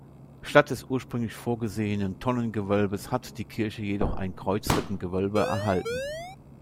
Statt des ursprünglich vorgesehenen Tonnengewölbes hat die Kirche jedoch ein Kreuzrippengewölbe erhalten.